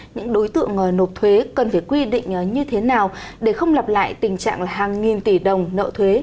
những đối tượng nộp thuế cần phải quy định như thế nào để không lặp lại tình trạng hàng nghìn tỷ đồng nợ thuế